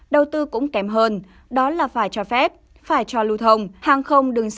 đầu tư cũng kém hơn đó là phải cho phép phải cho lưu thông